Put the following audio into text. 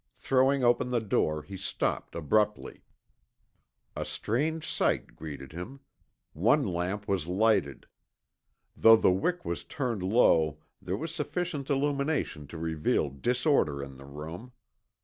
Throwing open the door, he stopped abruptly. A strange sight greeted him. One lamp was lighted. Though the wick was turned low, there was sufficient illumination to reveal disorder in the room.